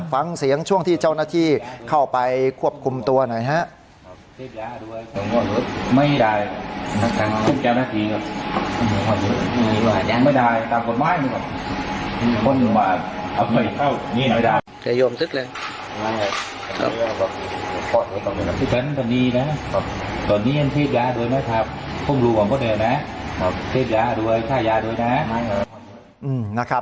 ฟังเสียงช่วงที่เจ้าหน้าที่เข้าไปควบคุมตัวหน่อยครับ